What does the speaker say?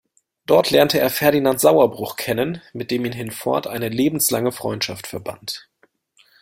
Dort lernte er Ferdinand Sauerbruch kennen, mit dem ihn hinfort eine lebenslange Freundschaft verband.